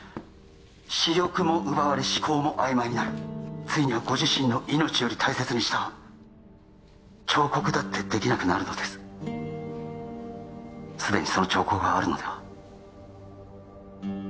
視力も奪われ思考もあいまいになるついにはご自身の命より大切にした彫刻だってできなくなるのですすでにその兆候があるのでは？